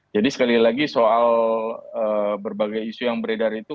jadi sekali lagi soal berbagai isu yang beredar itu